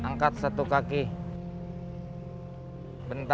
yang kedua kat sweater kompl mentor